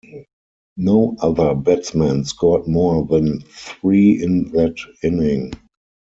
No other batsmen scored more than three in that inning.